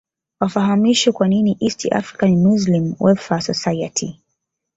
wafahamishwe kwa nini East African Muslim Welfare Society